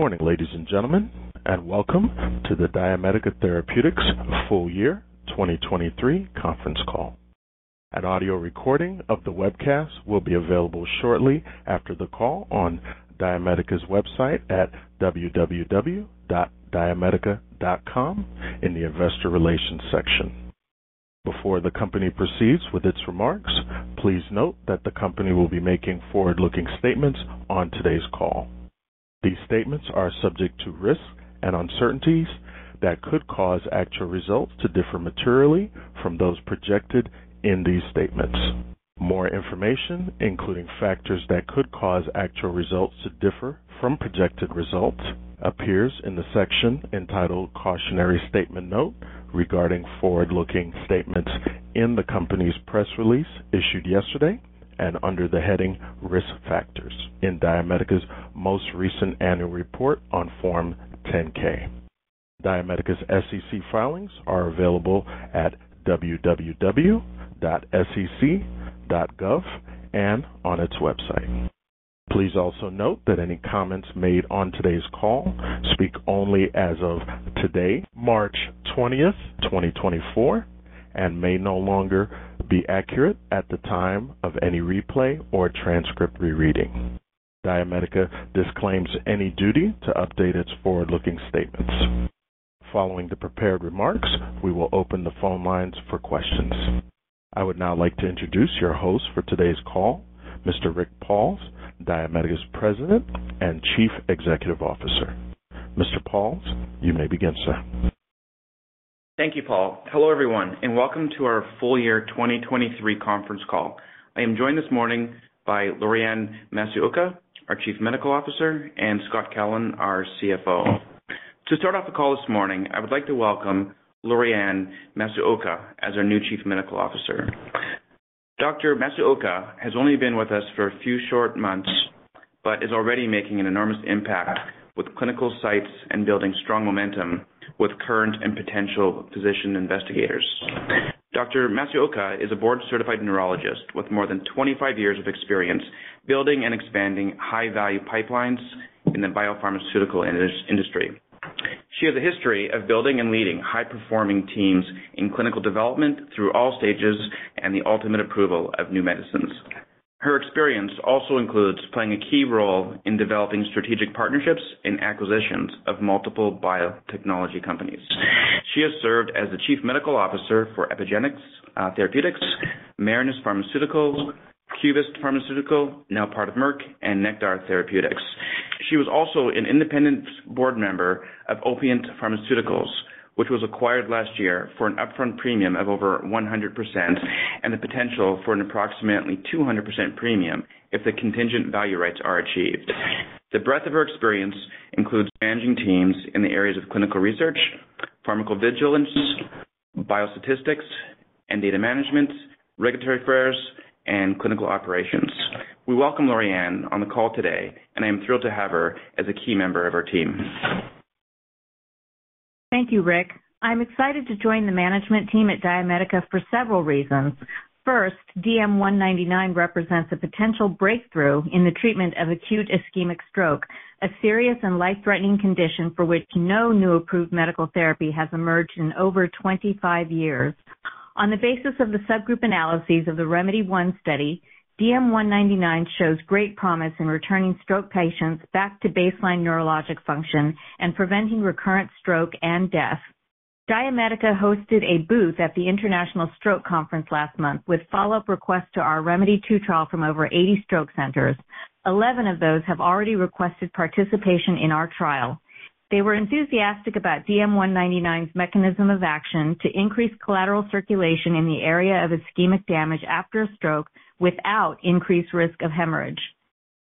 Good morning, ladies and gentlemen, and welcome to the DiaMedica Therapeutics full-year 2023 conference call. An audio recording of the webcast will be available shortly after the call on DiaMedica's website at www.diamedica.com in the investor relations section. Before the company proceeds with its remarks, please note that the company will be making forward-looking statements on today's call. These statements are subject to risk and uncertainties that could cause actual results to differ materially from those projected in these statements. More information, including factors that could cause actual results to differ from projected results, appears in the section entitled "Cautionary Statement Note" regarding forward-looking statements in the company's press release issued yesterday and under the heading "Risk Factors" in DiaMedica's most recent annual report on Form 10-K. DiaMedica's SEC filings are available at www.sec.gov and on its website. Please also note that any comments made on today's call speak only as of today, March 20, 2024, and may no longer be accurate at the time of any replay or transcript rereading. DiaMedica disclaims any duty to update its forward-looking statements. Following the prepared remarks, we will open the phone lines for questions. I would now like to introduce your host for today's call, Mr. Rick Pauls, DiaMedica's President and Chief Executive Officer. Mr. Pauls, you may begin, sir. Thank you, Paul. Hello everyone, and welcome to our full-year 2023 conference call. I am joined this morning by Lorianne Masuoka, our Chief Medical Officer, and Scott Kellen, our CFO. To start off the call this morning, I would like to welcome Lorianne Masuoka as our new Chief Medical Officer. Dr. Masuoka has only been with us for a few short months but is already making an enormous impact with clinical sites and building strong momentum with current and potential physician investigators. Dr. Masuoka is a board-certified neurologist with more than 25 years of experience building and expanding high-value pipelines in the biopharmaceutical industry. She has a history of building and leading high-performing teams in clinical development through all stages and the ultimate approval of new medicines. Her experience also includes playing a key role in developing strategic partnerships and acquisitions of multiple biotechnology companies. She has served as the chief medical officer for Epygenix Therapeutics, Marinus Pharmaceuticals, Cubist Pharmaceuticals, now part of Merck, and Nektar Therapeutics. She was also an independent board member of Opiant Pharmaceuticals, which was acquired last year for an upfront premium of over 100% and the potential for an approximately 200% premium if the contingent value rights are achieved. The breadth of her experience includes managing teams in the areas of clinical research, pharmacovigilance, biostatistics, and data management, regulatory affairs, and clinical operations. We welcome Lorianne on the call today, and I am thrilled to have her as a key member of our team. Thank you, Rick. I'm excited to join the management team at DiaMedica for several reasons. First, DM199 represents a potential breakthrough in the treatment of acute ischemic stroke, a serious and life-threatening condition for which no new approved medical therapy has emerged in over 25 years. On the basis of the subgroup analyses of the ReMEDy1 study, DM199 shows great promise in returning stroke patients back to baseline neurologic function and preventing recurrent stroke and death. DiaMedica hosted a booth at the International Stroke Conference last month with follow-up requests to our ReMEDy2 trial from over 80 stroke centers. 11 of those have already requested participation in our trial. They were enthusiastic about DM199's mechanism of action to increase collateral circulation in the area of ischemic damage after a stroke without increased risk of hemorrhage.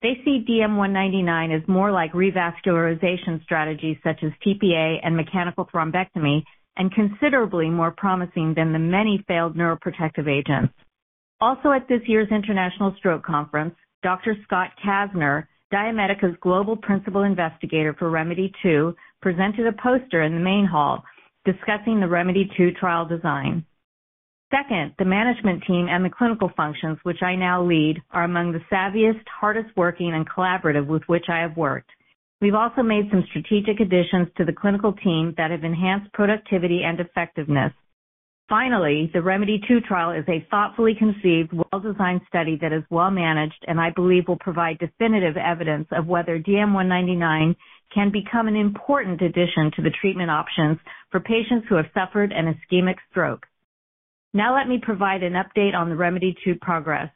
They see DM199 as more like revascularization strategies such as tPA and mechanical thrombectomy and considerably more promising than the many failed neuroprotective agents. Also at this year's International Stroke Conference, Dr. Scott Kasner, DiaMedica's global principal investigator for ReMEDy2, presented a poster in the main hall discussing the ReMEDy2 trial design. Second, the management team and the clinical functions, which I now lead, are among the savviest, hardest-working, and collaborative with which I have worked. We've also made some strategic additions to the clinical team that have enhanced productivity and effectiveness. Finally, the ReMEDy2 trial is a thoughtfully conceived, well-designed study that is well-managed and I believe will provide definitive evidence of whether DM199 can become an important addition to the treatment options for patients who have suffered an ischemic stroke. Now let me provide an update on the ReMEDy2 progress.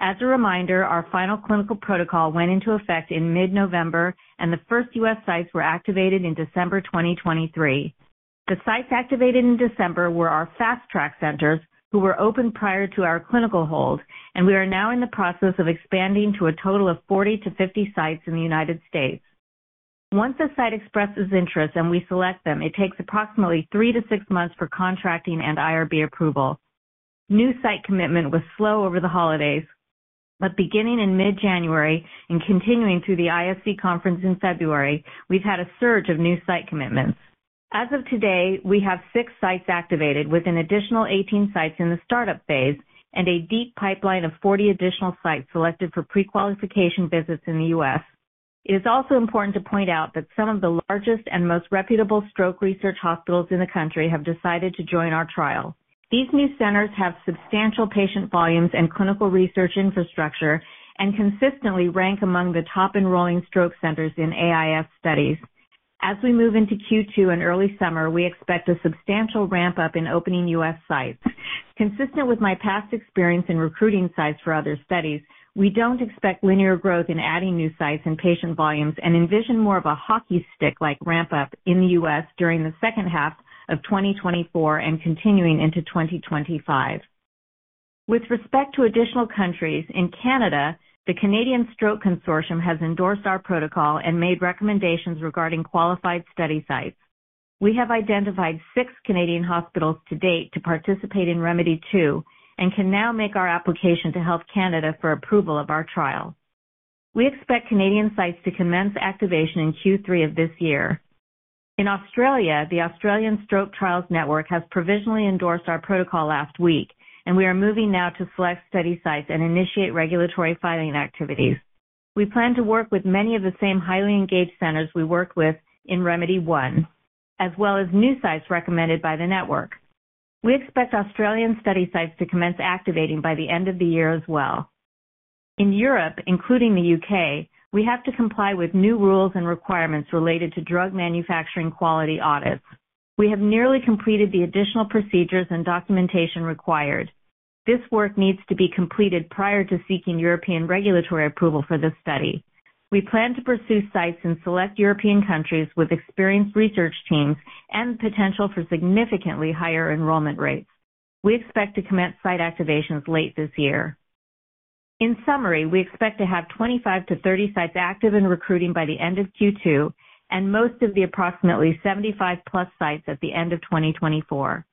As a reminder, our final clinical protocol went into effect in mid-November, and the first U.S. sites were activated in December 2023. The sites activated in December were our fast-track centers who were opened prior to our clinical hold, and we are now in the process of expanding to a total of 40-50 sites in the United States. Once a site expresses interest and we select them, it takes approximately three to six months for contracting and IRB approval. New site commitment was slow over the holidays, but beginning in mid-January and continuing through the ISC conference in February, we've had a surge of new site commitments. As of today, we have six sites activated with an additional 18 sites in the startup phase and a deep pipeline of 40 additional sites selected for pre-qualification visits in the U.S. It is also important to point out that some of the largest and most reputable stroke research hospitals in the country have decided to join our trial. These new centers have substantial patient volumes and clinical research infrastructure and consistently rank among the top enrolling stroke centers in AIS studies. As we move into Q2 and early summer, we expect a substantial ramp-up in opening U.S. sites. Consistent with my past experience in recruiting sites for other studies, we don't expect linear growth in adding new sites and patient volumes and envision more of a hockey stick-like ramp-up in the U.S. during the second half of 2024 and continuing into 2025. With respect to additional countries, in Canada, the Canadian Stroke Consortium has endorsed our protocol and made recommendations regarding qualified study sites. We have identified six Canadian hospitals to date to participate in ReMEDy2 and can now make our application to Health Canada for approval of our trial. We expect Canadian sites to commence activation in Q3 of this year. In Australia, the Australasian Stroke Trials Network has provisionally endorsed our protocol last week, and we are moving now to select study sites and initiate regulatory filing activities. We plan to work with many of the same highly engaged centers we worked with in ReMEDy, as well as new sites recommended by the network. We expect Australian study sites to commence activating by the end of the year as well. In Europe, including the U.K., we have to comply with new rules and requirements related to drug manufacturing quality audits. We have nearly completed the additional procedures and documentation required. This work needs to be completed prior to seeking European regulatory approval for this study. We plan to pursue sites in select European countries with experienced research teams and the potential for significantly higher enrollment rates. We expect to commence site activations late this year. In summary, we expect to have 25 to 30 sites active in recruiting by the end of Q2 and most of the approximately 75+ sites at the end of 2024.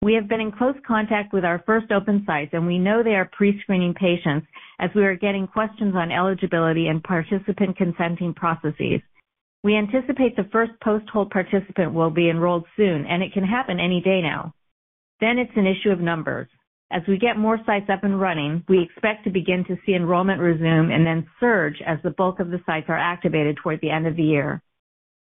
We have been in close contact with our first open sites, and we know they are pre-screening patients as we are getting questions on eligibility and participant consenting processes. We anticipate the first post-hold participant will be enrolled soon, and it can happen any day now. Then it's an issue of numbers. As we get more sites up and running, we expect to begin to see enrollment resume and then surge as the bulk of the sites are activated toward the end of the year.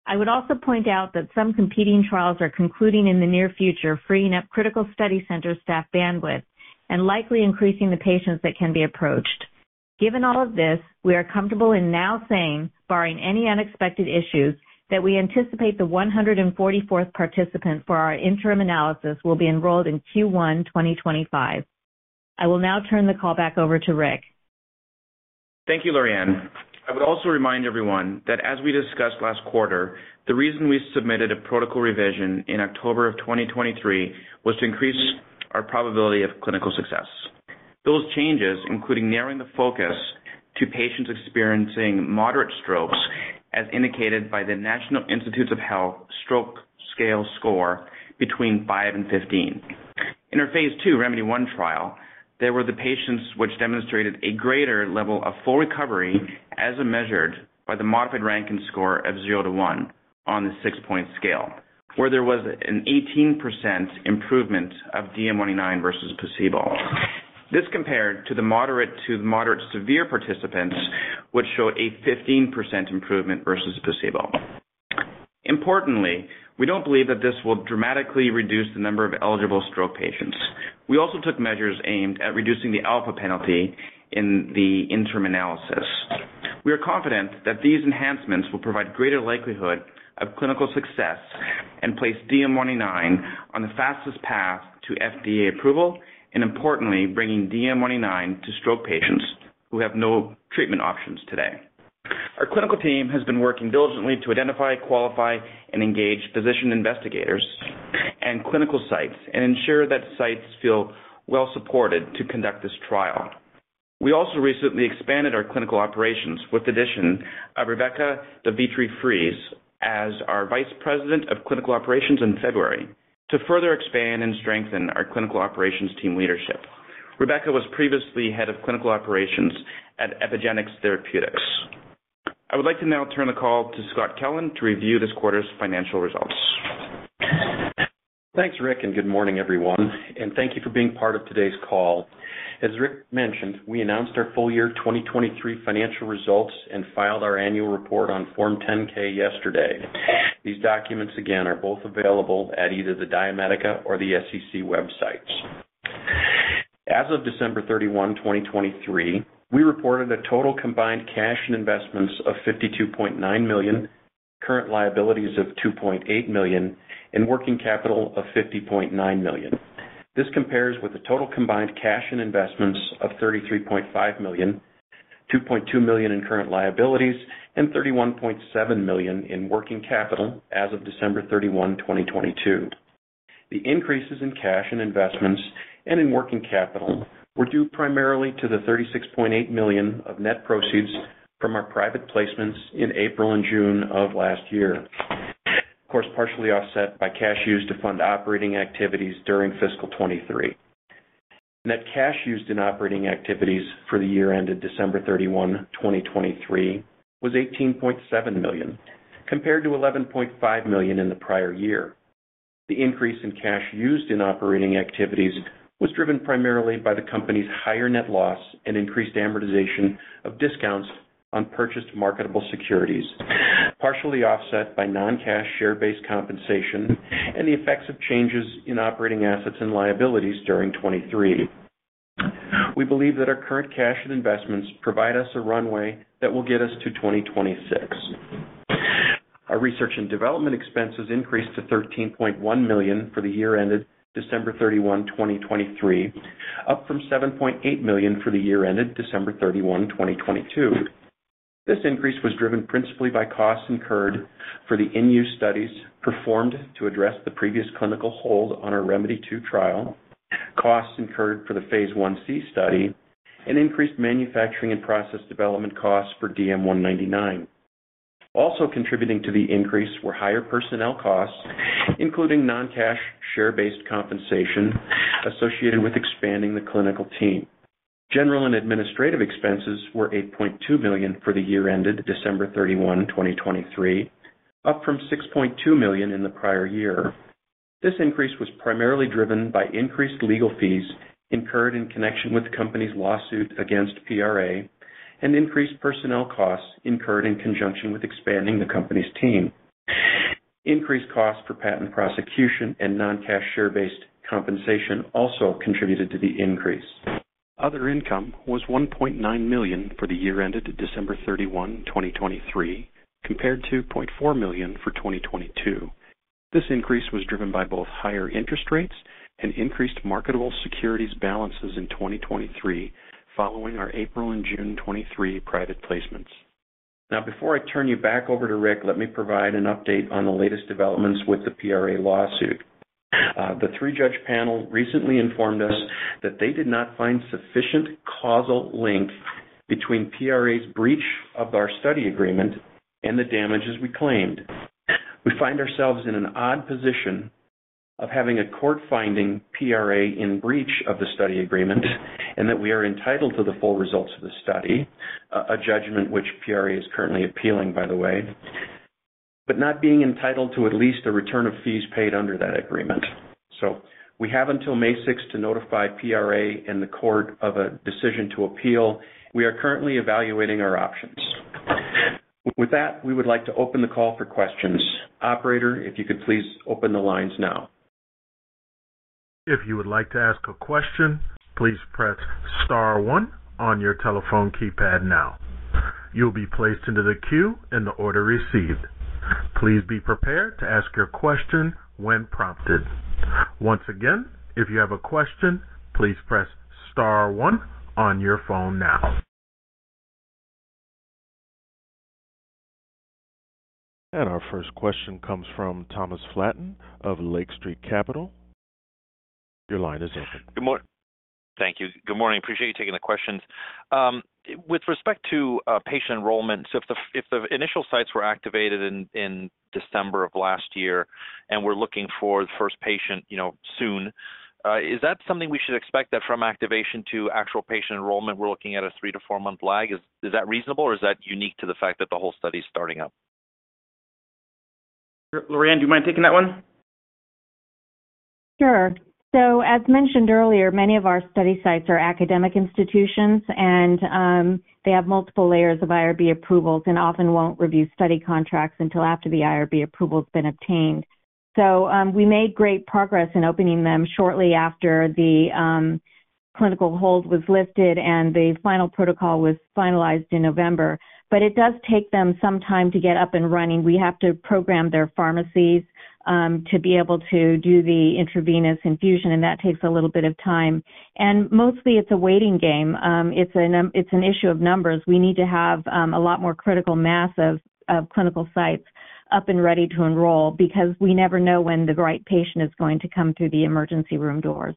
I would also point out that some competing trials are concluding in the near future, freeing up critical study center staff bandwidth and likely increasing the patients that can be approached. Given all of this, we are comfortable in now saying, barring any unexpected issues, that we anticipate the 144th participant for our interim analysis will be enrolled in Q1 2025. I will now turn the call back over to Rick. Thank you, Lorianne. I would also remind everyone that as we discussed last quarter, the reason we submitted a protocol revision in October of 2023 was to increase our probability of clinical success. Those changes, including narrowing the focus to patients experiencing moderate strokes, as indicated by the National Institutes of Health Stroke Scale score between 5 and 15, in our Phase 2 ReMEDy1 trial, there were the patients which demonstrated a greater level of full recovery as measured by the Modified Rankin Scale score of 0-1 on the six-point scale, where there was an 18% improvement of DM199 versus placebo. This compared to the moderate-to-moderate-severe participants, which showed a 15% improvement versus placebo. Importantly, we don't believe that this will dramatically reduce the number of eligible stroke patients. We also took measures aimed at reducing the alpha penalty in the interim analysis. We are confident that these enhancements will provide greater likelihood of clinical success and place DM199 on the fastest path to FDA approval and, importantly, bringing DM199 to stroke patients who have no treatment options today. Our clinical team has been working diligently to identify, qualify, and engage physician investigators and clinical sites and ensure that sites feel well-supported to conduct this trial. We also recently expanded our clinical operations with the addition of Rebekah de Vitry Fries as our Vice President of Clinical Operations in February to further expand and strengthen our clinical operations team leadership. Rebekah was previously head of clinical operations at Epygenix Therapeutics. I would like to now turn the call to Scott Kellen to review this quarter's financial results. Thanks, Rick, and good morning, everyone, and thank you for being part of today's call. As Rick mentioned, we announced our full-year 2023 financial results and filed our annual report on Form 10-K yesterday. These documents, again, are both available at either the DiaMedica or the SEC websites. As of December 31, 2023, we reported a total combined cash and investments of $52.9 million, current liabilities of $2.8 million, and working capital of $50.9 million. This compares with a total combined cash and investments of $33.5 million, $2.2 million in current liabilities, and $31.7 million in working capital as of December 31, 2022. The increases in cash and investments and in working capital were due primarily to the $36.8 million of net proceeds from our private placements in April and June of last year, of course, partially offset by cash used to fund operating activities during fiscal 2023. Net cash used in operating activities for the year ended December 31, 2023, was $18.7 million compared to $11.5 million in the prior year. The increase in cash used in operating activities was driven primarily by the company's higher net loss and increased amortization of discounts on purchased marketable securities, partially offset by non-cash share-based compensation and the effects of changes in operating assets and liabilities during 2023. We believe that our current cash and investments provide us a runway that will get us to 2026. Our research and development expenses increased to $13.1 million for the year ended December 31, 2023, up from $7.8 million for the year ended December 31, 2022. This increase was driven principally by costs incurred for the in-use studies performed to address the previous clinical hold on our ReMEDy2 trial, costs incurred for the Phase 1C study, and increased manufacturing and process development costs for DM199. Also contributing to the increase were higher personnel costs, including non-cash share-based compensation associated with expanding the clinical team. General and administrative expenses were $8.2 million for the year ended December 31, 2023, up from $6.2 million in the prior year. This increase was primarily driven by increased legal fees incurred in connection with the company's lawsuit against PRA and increased personnel costs incurred in conjunction with expanding the company's team. Increased costs for patent prosecution and non-cash share-based compensation also contributed to the increase. Other income was $1.9 million for the year ended December 31, 2023, compared to $0.4 million for 2022. This increase was driven by both higher interest rates and increased marketable securities balances in 2023 following our April and June 2023 private placements. Now, before I turn you back over to Rick, let me provide an update on the latest developments with the PRA lawsuit. The three-judge panel recently informed us that they did not find sufficient causal link between PRA's breach of our study agreement and the damages we claimed. We find ourselves in an odd position of having a court finding PRA in breach of the study agreement and that we are entitled to the full results of the study, a judgment which PRA is currently appealing, by the way, but not being entitled to at least a return of fees paid under that agreement. So we have until May 6th to notify PRA and the court of a decision to appeal. We are currently evaluating our options. With that, we would like to open the call for questions. Operator, if you could please open the lines now. If you would like to ask a question, please press star one on your telephone keypad now. You'll be placed into the queue in the order received. Please be prepared to ask your question when prompted. Once again, if you have a question, please press star one on your phone now. And our first question comes from Thomas Flaten of Lake Street Capital. Your line is open. Good morning. Thank you. Good morning. Appreciate you taking the questions. With respect to patient enrollment, so if the initial sites were activated in December of last year and we're looking for the first patient soon, is that something we should expect that from activation to actual patient enrollment, we're looking at a 3- to 4-month lag? Is that reasonable, or is that unique to the fact that the whole study is starting up? Lorianne, do you mind taking that one? Sure. So as mentioned earlier, many of our study sites are academic institutions, and they have multiple layers of IRB approvals and often won't review study contracts until after the IRB approval's been obtained. So we made great progress in opening them shortly after the clinical hold was lifted and the final protocol was finalized in November. But it does take them some time to get up and running. We have to program their pharmacies to be able to do the intravenous infusion, and that takes a little bit of time. And mostly, it's a waiting game. It's an issue of numbers. We need to have a lot more critical mass of clinical sites up and ready to enroll because we never know when the right patient is going to come through the emergency room doors.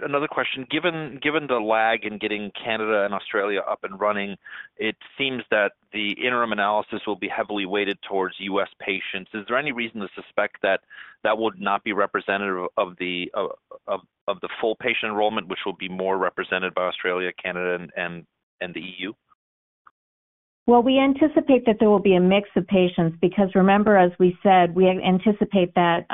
Another question. Given the lag in getting Canada and Australia up and running, it seems that the interim analysis will be heavily weighted towards U.S. patients. Is there any reason to suspect that that would not be representative of the full patient enrollment, which will be more represented by Australia, Canada, and the EU? Well, we anticipate that there will be a mix of patients because, remember, as we said, we anticipate that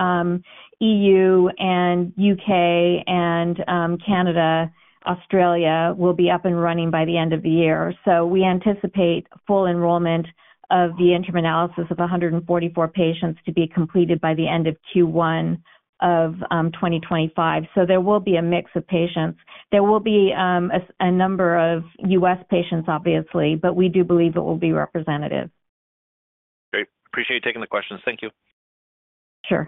EU and UK and Canada, Australia will be up and running by the end of the year. So we anticipate full enrollment of the interim analysis of 144 patients to be completed by the end of Q1 of 2025. So there will be a mix of patients. There will be a number of U.S. patients, obviously, but we do believe it will be representative. Great. Appreciate you taking the questions. Thank you. Sure.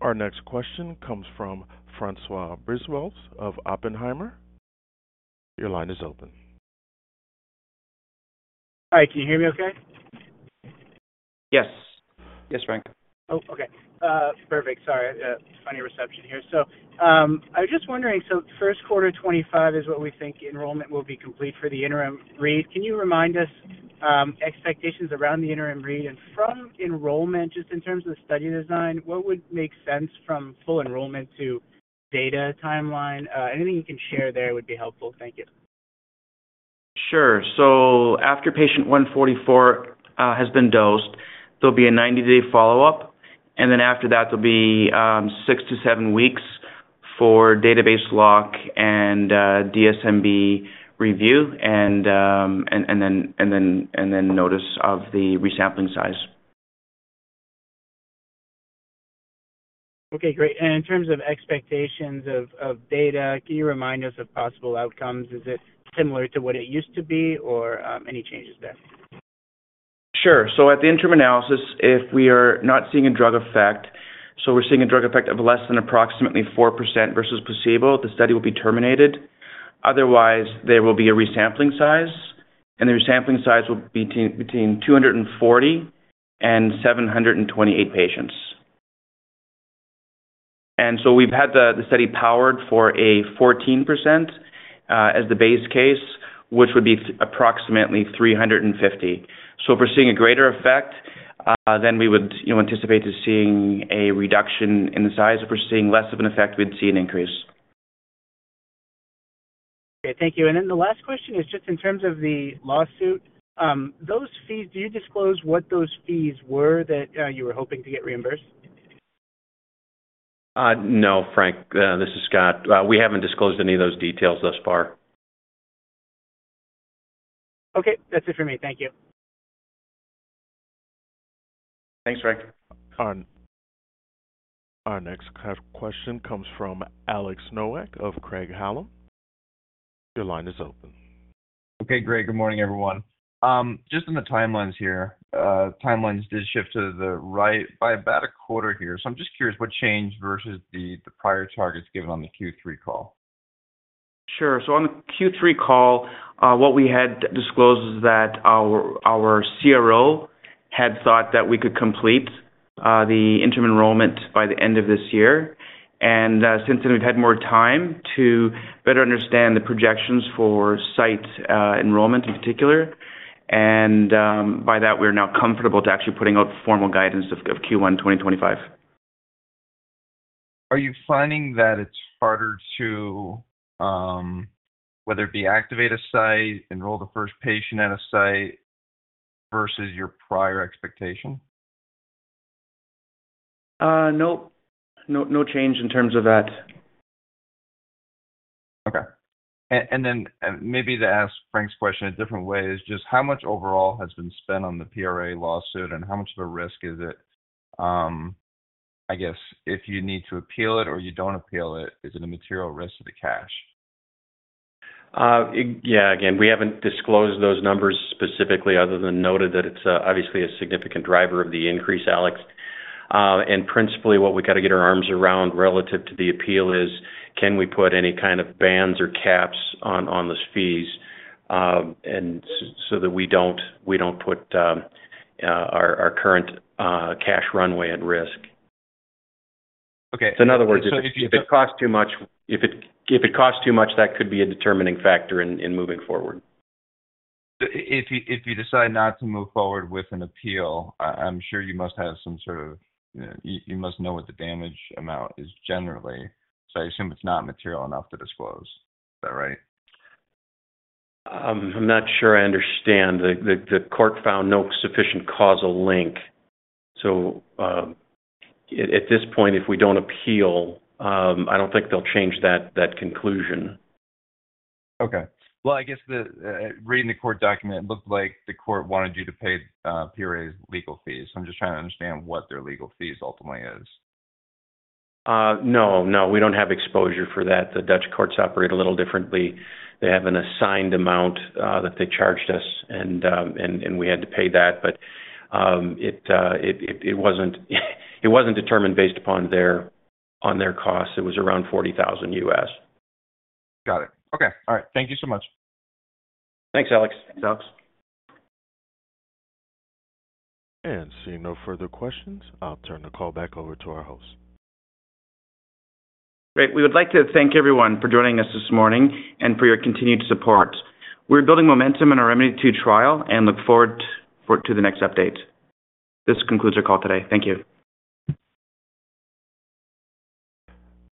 Our next question comes from François Brisebois of Oppenheimer. Your line is open. Hi. Can you hear me okay? Yes. Yes, Frank. Oh, okay. Perfect. Sorry. Funny reception here. So I was just wondering, so first quarter 2025 is what we think enrollment will be complete for the interim read. Can you remind us expectations around the interim read? And from enrollment, just in terms of the study design, what would make sense from full enrollment to data timeline? Anything you can share there would be helpful. Thank you. Sure. So after patient 144 has been dosed, there'll be a 90-day follow-up. And then after that, there'll be 6-7 weeks for database lock and DSMB review and then notice of the resampling size. Okay. Great. In terms of expectations of data, can you remind us of possible outcomes? Is it similar to what it used to be, or any changes there? Sure. So at the interim analysis, if we are not seeing a drug effect, so if we're seeing a drug effect of less than approximately 4% versus placebo, the study will be terminated. Otherwise, there will be a resampling size, and the resampling size will be between 240 and 728 patients. And so we've had the study powered for a 14% as the base case, which would be approximately 350. So if we're seeing a greater effect, then we would anticipate seeing a reduction in the size. If we're seeing less of an effect, we'd see an increase. Okay. Thank you. And then the last question is just in terms of the lawsuit. Do you disclose what those fees were that you were hoping to get reimbursed? No, Frank. This is Scott. We haven't disclosed any of those details thus far. Okay. That's it for me. Thank you. Thanks, Frank. Our next question comes from Alex Nowak of Craig-Hallum. Your line is open. Okay. Great. Good morning, everyone. Just in the timelines here, timelines did shift to the right by about a quarter here. So I'm just curious, what changed versus the prior targets given on the Q3 call? Sure. So on the Q3 call, what we had disclosed was that our CRO had thought that we could complete the interim enrollment by the end of this year. Since then, we've had more time to better understand the projections for site enrollment in particular. By that, we are now comfortable to actually putting out formal guidance of Q1 2025. Are you finding that it's harder to, whether it be activate a site, enroll the first patient at a site versus your prior expectation? Nope. No change in terms of that. Okay. And then maybe to ask Frank's question a different way is just how much overall has been spent on the PRA lawsuit, and how much of a risk is it, I guess, if you need to appeal it or you don't appeal it? Is it a material risk to the cash? Yeah. Again, we haven't disclosed those numbers specifically other than noted that it's obviously a significant driver of the increase, Alex. And principally, what we got to get our arms around relative to the appeal is, can we put any kind of bans or caps on those fees so that we don't put our current cash runway at risk? In other words, if it costs too much, that could be a determining factor in moving forward. If you decide not to move forward with an appeal, I'm sure you must have some sort of, you must know what the damage amount is generally. So I assume it's not material enough to disclose. Is that right? I'm not sure I understand. The court found no sufficient causal link. At this point, if we don't appeal, I don't think they'll change that conclusion. Okay. Well, I guess reading the court document, it looked like the court wanted you to pay PRA's legal fees. So I'm just trying to understand what their legal fees ultimately is? No. No. We don't have exposure for that. The Dutch courts operate a little differently. They have an assigned amount that they charged us, and we had to pay that. But it wasn't determined based upon their costs. It was around $40,000. Got it. Okay. All right. Thank you so much. Thanks, Alex. Thanks, Alex. Seeing no further questions, I'll turn the call back over to our host. Great. We would like to thank everyone for joining us this morning and for your continued support. We're building momentum in our ReMEDy2 trial and look forward to the next updates. This concludes our call today. Thank you.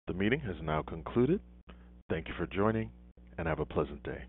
The meeting has now concluded. Thank you for joining, and have a pleasant day.